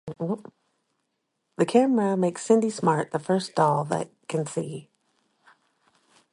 The camera makes Cindy Smart the first doll that can see.